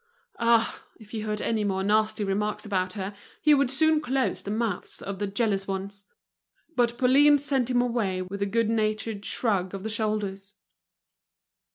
Ah! if he heard any more nasty remarks about her, he would soon close the mouths of the jealous ones! But Pauline sent him away with a good natured shrug of the shoulders.